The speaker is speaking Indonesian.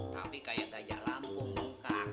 tapi kayak gajah lampung kak